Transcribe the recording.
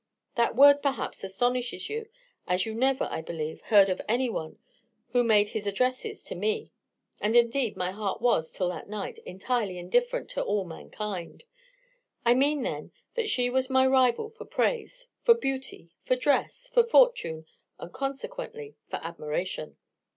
That word perhaps astonishes you, as you never, I believe, heard of any one who made his addresses to me; and indeed my heart was, till that night, entirely indifferent to all mankind: I mean, then, that she was my rival for praise, for beauty, for dress, for fortune, and consequently for admiration.